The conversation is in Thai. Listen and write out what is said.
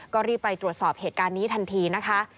ก็รีบไปตรวจสอบเหตุการณ์นี้ทันทีนะคะ